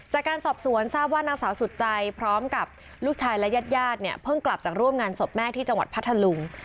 จากการสอบสวนทราบว่านางสาวสุดใจพร้อมกับลูกชายและญาติญาติเนี่ยเพิ่งกลับจากร่วมงานศพแม่ที่จังหวัดพัทธลุง